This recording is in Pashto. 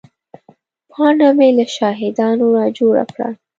پاڼه مې له شاهدانو را جوړه کړه.